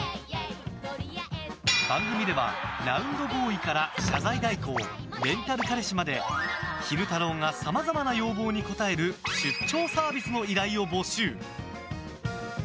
番組ではラウンドボーイから謝罪代行レンタル彼氏まで昼太郎がさまざまな要望に応える出張サービスの依頼を募集。